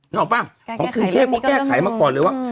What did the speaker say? ออกป่ะของกรุงเทพก็แก้ไขมาก่อนเลยว่า